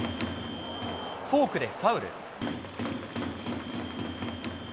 フォークでファウル。